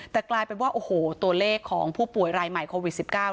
แต่กลายเป็นว่าโอ้โหตัวเลขของผู้ป่วยรายใหม่โควิด๑๙